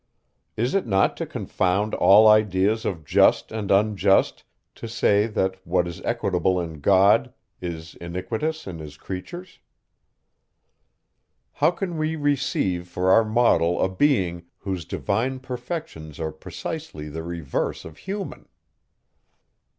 Is it not to confound all ideas of just and unjust, to say, that what is equitable in God is iniquitous in his creatures? How can we receive for our model a being, whose divine perfections are precisely the reverse of human?